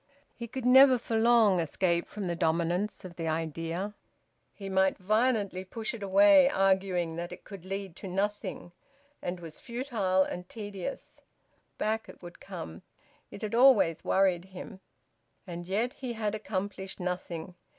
He could never for long escape from the dominance of the idea. He might violently push it away, arguing that it could lead to nothing and was futile and tedious; back it would come! It had always worried him. And yet he had accomplished nothing.